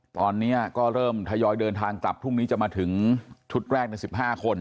ตอนนี้ก็เริ่มทยอยเดินทางกลับพรุ่งนี้จะมาถึงชุดแรกใน๑๕คน